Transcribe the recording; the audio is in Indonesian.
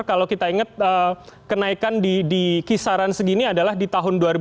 kalau kita ingat kenaikan di kisaran segini adalah di tahun dua ribu dua